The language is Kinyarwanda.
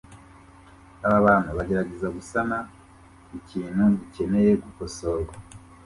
Aba bantu bagerageza gusana ikintu gikeneye gukosorwa